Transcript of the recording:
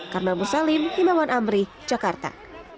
karma musalim himawan amri jakarta